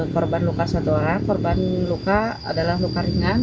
korban luka satu orang korban luka adalah luka ringan